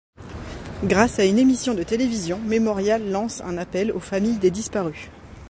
Grâce à une émission de télévision, Memorial lance un appel aux familles des disparus.